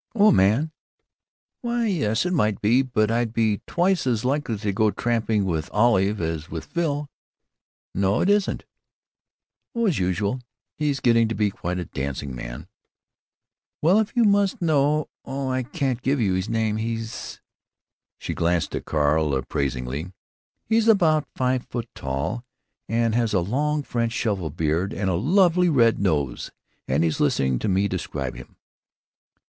Oh, a man.... Why, yes, it might be, but I'd be twice as likely to go tramping with Olive as with Phil.... No, it isn't.... Oh, as usual. He's getting to be quite a dancing man.... Well, if you must know—oh, I can't give you his name. He's——" She glanced at Carl appraisingly, "——he's about five feet tall, and he has a long French shovel beard and a lovely red nose, and he's listening to me describe him!"